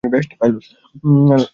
আমাদের টিমের best pilot.